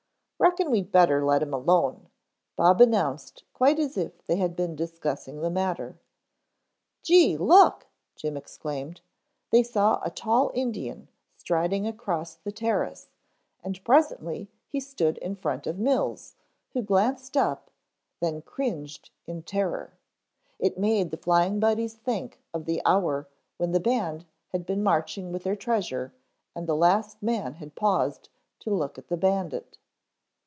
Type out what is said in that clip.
"Reckon we'd better let him alone," Bob announced quite as if they had been discussing the matter. "Gee, look!" Jim exclaimed. They saw a tall Indian striding across the terrace and presently he stood in front of Mills, who glanced up, then cringed in terror. It made the Flying Buddies think of the hour when the band had been marching with their treasure and the last man had paused to look at the bandit.